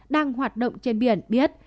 đang hoạt động trên biển biết